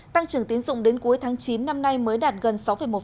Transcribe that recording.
tăng trưởng tiến dụng đến cuối tháng chín năm nay mới đạt gần sáu một